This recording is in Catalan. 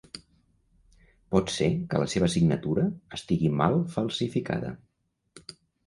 Pot ser que la seva signatura estigui mal falsificada.